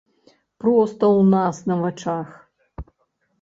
Проста ў нас на вачах.